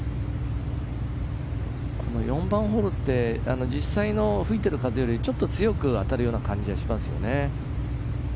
４番ホールって実際の吹いている風よりちょっと強く当たるような感じがしますね。